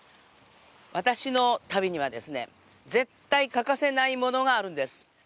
私の旅には、絶対欠かせないものがあるんです。